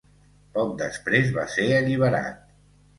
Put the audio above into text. Poc després va ser alliberat.